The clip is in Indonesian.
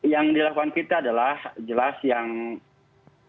yang dilakukan kita adalah jelas yang